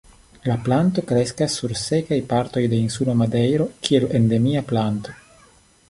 La planto kreskas sur sekaj partoj de insulo Madejro kiel endemia planto.